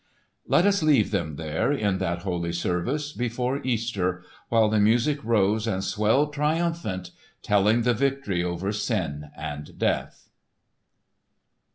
Let us leave them there, in that holy service before Easter, while the music rose and swelled triumphant, telling of victory over sin and death!